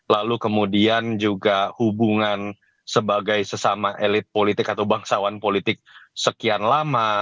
lalu kemudian juga hubungan sebagai sesama elit politik atau bangsawan politik sekian lama